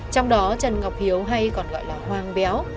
trong đó trần ngọc hiếu hay còn gọi là hoàng béo